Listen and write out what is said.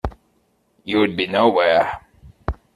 You’d be nowhere.